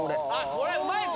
これはうまいぞ！